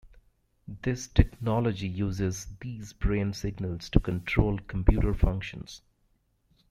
This technology uses these brain signals to control computer functions.